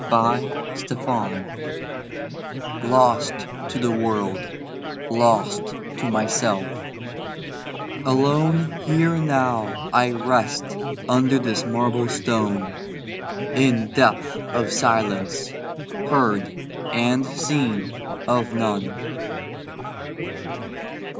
ON HIMSELF Lost to the world; lost to myself; alone Here now I rest under this marble stone, In depth of silence, heard and seen of none.